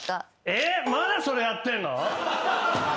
えっまだそれやってんの！？